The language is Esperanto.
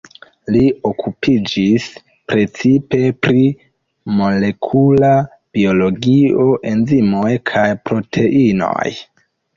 Li okupiĝis precipe pri molekula biologio, enzimoj kaj proteinoj.